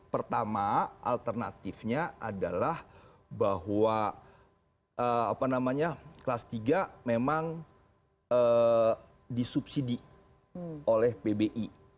pertama alternatifnya adalah bahwa kelas tiga memang disubsidi oleh pbi